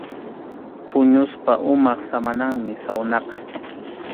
Puñuspa umap samananmi sawnaqa.